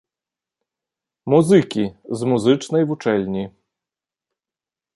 Музыкі, з музычнай вучэльні.